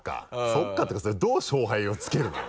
そうかっていうかそれどう勝敗をつけるのよ？